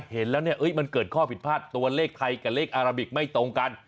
เห็นแล้วเนี่ยมันเกิดข้อผิดพลาดตัวเลขไทยกับเลขอาราบิกไม่ตรงกัน